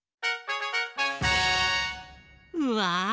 うわ！